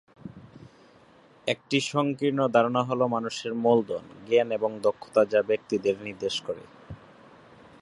একটি সংকীর্ণ ধারণা হল মানুষের মূলধন, জ্ঞান এবং দক্ষতা যা ব্যক্তিদের নির্দেশ করে।